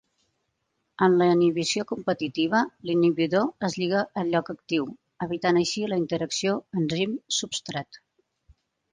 En la inhibició competitiva, l'inhibidor es lliga al lloc actiu, evitant així la interacció enzim-substrat.